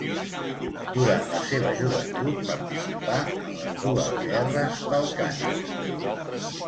Durant la seva joventut participà en les dues guerres balcàniques.